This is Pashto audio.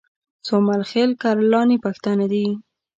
سومل خېل کرلاني پښتانه دي